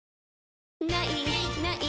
「ない！ない！